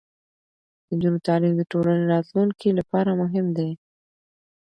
د نجونو تعلیم د ټولنې راتلونکي لپاره مهم دی.